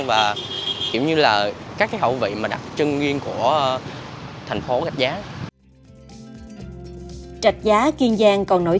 và kiểu như là các hậu vị mà đặc trưng riêng của thành phố gạch giá trạch giá kiên giang còn nổi